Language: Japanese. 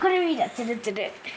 ツルツル。